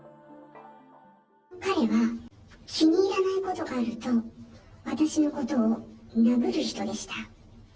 彼は気に入らないことがあると、私のことを殴る人でした。